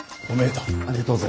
ありがとうございます。